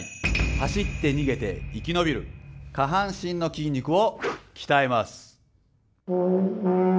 走って逃げて生き延びる下半身の筋肉を鍛えます。